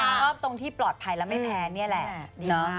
ก็ตรงที่ปลอดภัยแล้วไม่แพ้เนี่ยแหละ